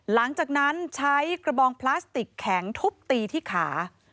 หลังจากนั้นใช้กระบองพลาสติกแข็งทุบตีที่ขา